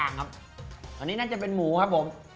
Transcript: อันนี้น่าจะเป็นหมูครับผม